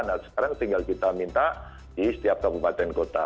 nah sekarang tinggal kita minta di setiap kabupaten kota